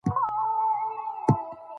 نه په ژمي نه په اوړي څوک آرام وو